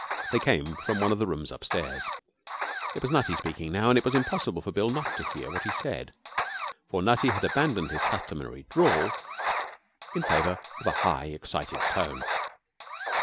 They came from one of the rooms upstairs. It was Nutty speaking now, and it was impossible for Bill not to hear what he said, for Nutty had abandoned his customary drawl in favour of a high, excited tone.